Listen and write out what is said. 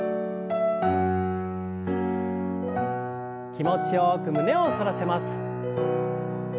気持ちよく胸を反らせます。